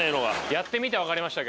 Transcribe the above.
やってみてわかりました。